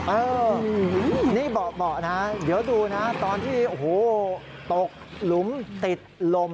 เออนี่เบาะนะเดี๋ยวดูนะตอนที่โอ้โหตกหลุมติดลม